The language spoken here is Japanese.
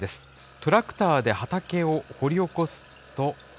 トラクターで畑を掘り起こすと。